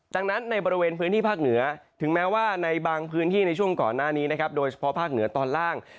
ดังนั้นในบริเวณพื้นที่ภาคเหนือถึงแม้ว่าในบางพื้นที่ในช่วงก่อนหน้านี้นะครับโดยเฉพาะภาคเหนือตอนล่าง